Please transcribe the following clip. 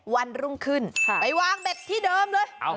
วันรุ่งขึ้นไปวางเบ็ดที่เดิมเลย